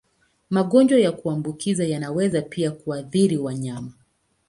Magonjwa ya kuambukiza yanaweza pia kuathiri wanyama.